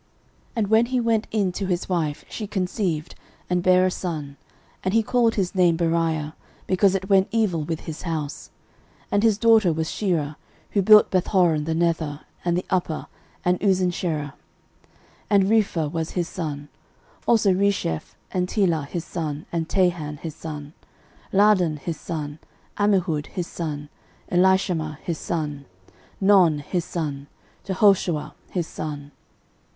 13:007:023 And when he went in to his wife, she conceived, and bare a son, and he called his name Beriah, because it went evil with his house. 13:007:024 (And his daughter was Sherah, who built Bethhoron the nether, and the upper, and Uzzensherah.) 13:007:025 And Rephah was his son, also Resheph, and Telah his son, and Tahan his son. 13:007:026 Laadan his son, Ammihud his son, Elishama his son. 13:007:027 Non his son, Jehoshuah his son.